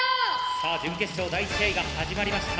さあ準決勝第１試合が始まりました。